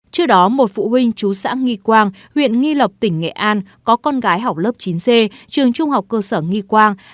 trước đó một phụ huynh trú sãng nghi quang huyện nghi lập tỉnh nghệ an có con gái học lớp chín c trường trung học cơ sở nghi quang